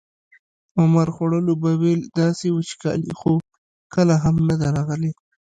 عمر خوړلو به ویل داسې وچکالي خو کله هم نه ده راغلې.